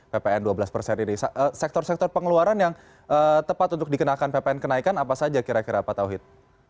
ppn dua belas persen ini sektor sektor pengeluaran yang tepat untuk dikenakan ppn kenaikan apa saja kira kira pak tauhid